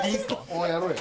お前やろうや。